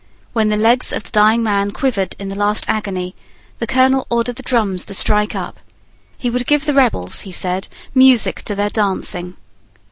When the legs of the dying man quivered in the last agony, the colonel ordered the drums to strike up. He would give the rebels, he said music to their dancing.